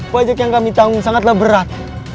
pajak yang kami tanggung sangatlah berat